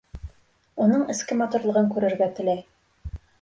Уның эске матурлығын күрергә теләй.